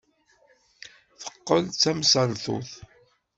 Teqqel d tamsaltut.